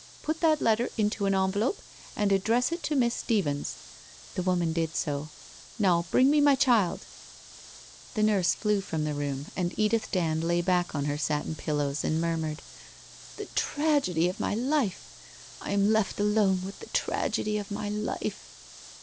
' Put that letter into an envelope and address it to Miss Stephens.' The woman did so. ' Now bring me my child.' WHITE ROSE OF WEARY LEAF 167 The nurse flew from the room, and Edith Dand lay back on her satin pillows and murmured: 1 The tragedy of my life ! I am left alone with the tragedy of my life